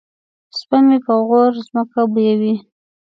سپی مې په غور ځمکه بویوي.